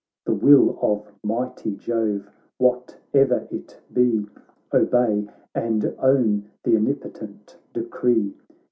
The will of mighty Jove, whate'er it be, Obey, and own th' Omnipotent decree.